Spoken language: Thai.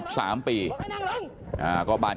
ก็บ้านที่นี่นะครับ